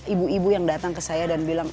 ibu ibu yang datang ke saya dan bilang